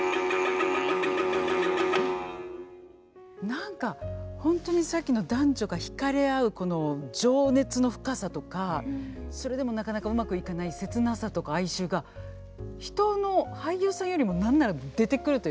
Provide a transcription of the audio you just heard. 何か本当にさっきの男女が惹かれ合うこの情熱の深さとかそれでもなかなかうまくいかない切なさとか哀愁が人の俳優さんよりも何なら出てくるというか。